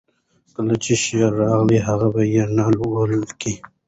کله چې شعر راغی، هغه به یې نه ولیکه.